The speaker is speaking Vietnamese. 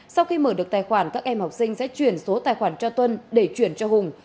sau khi mở được tài khoản các em học sinh sẽ chuyển số tài khoản cho tuân để chuyển cho hùng